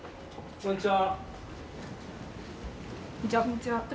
こんにちは。